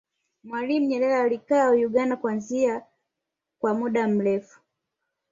mwalimu nyerere alikaa uganda kuanzia kwa muda mrefu